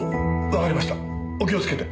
わかりましたお気をつけて。